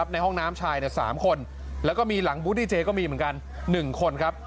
ในห้องน้ำชาย๓คนและก็มีหลังบุทรดีเจก็มี๑คน